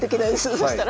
そしたら。